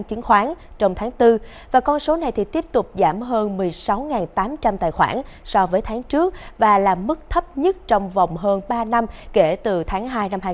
chính khoán trong tháng bốn và con số này tiếp tục giảm hơn một mươi sáu tám trăm linh tài khoản so với tháng trước và là mức thấp nhất trong tháng bốn